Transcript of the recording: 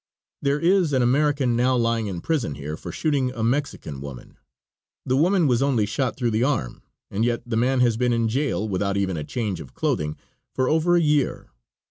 There is an American now lying in prison here for shooting a Mexican woman; the woman was only shot through the arm, and yet the man has been in jail, without even a change of clothing, for over a year.